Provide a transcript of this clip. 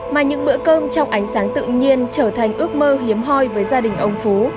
mà những bữa cơm trong ánh sáng tự nhiên trở thành ước mơ hiếm hoi với gia đình ông phú